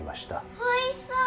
おいしそう！